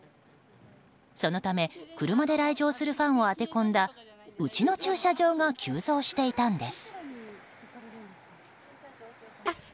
そのため車で来場するファンを当て込んだうちの駐車場が急増していたんです。